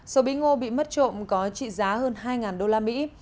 số bí ngô bị mất trộm có trị giá hơn hai đô la mỹ